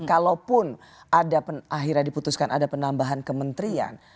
kalaupun ada akhirnya diputuskan ada penambahan kementerian